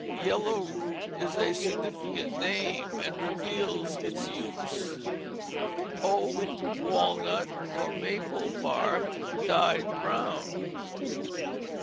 Yellow root is a significant name and reveals its use: oak, walnut, or maple bark dyed brown.